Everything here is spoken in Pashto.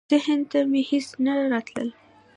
ذهن ته مي هیڅ نه راتلل .